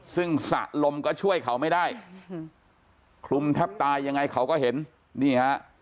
ซึ่งสระลมก็ช่วยเขาไม่ได้คลุมแทบตายยังไงเขาก็เห็นนี่ฮะ